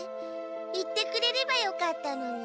言ってくれればよかったのに。